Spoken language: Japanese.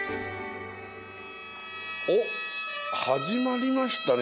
おっ始まりましたね